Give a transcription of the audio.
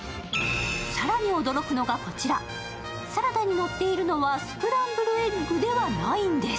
更に驚くのがこちら、サラダにのっているのはスクランブルエッグではないんです。